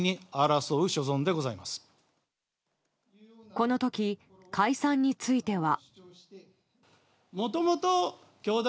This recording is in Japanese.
この時、解散については。